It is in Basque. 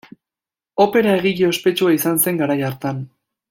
Opera-egile ospetsua izan zen garai hartan.